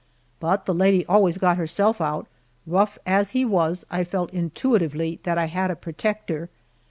But the lady always got herself out. Rough as he was, I felt intuitively that I had a protector.